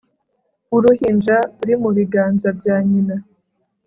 wuruhinja uri mu biganza bya nyina